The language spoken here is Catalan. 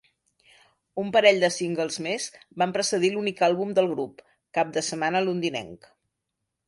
Un parell de singles més van precedir l'únic àlbum del grup: "Cap de setmana londinenc".